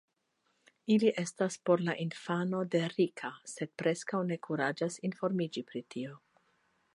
Ili estas por la infano de Rika, sed preskaŭ ne kuraĝas informiĝi pri tio.